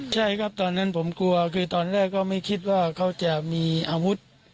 ใช่ครับตอนนั้นผมกลัวคือตอนแรกก็ไม่คิดว่าเขาจะมีอาวุธ